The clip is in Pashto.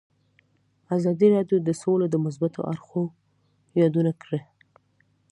ازادي راډیو د سوله د مثبتو اړخونو یادونه کړې.